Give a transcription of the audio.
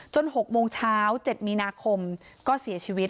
๖โมงเช้า๗มีนาคมก็เสียชีวิต